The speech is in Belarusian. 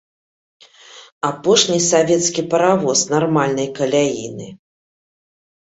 Апошні савецкі паравоз нармальнай каляіны.